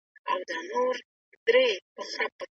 ده د نوم پر ځای د کار ارزښت ليده.